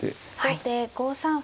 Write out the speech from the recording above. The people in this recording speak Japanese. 後手５三歩。